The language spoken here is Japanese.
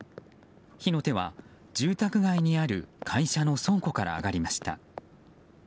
火の手は、住宅街にある会社の倉庫から上がりました。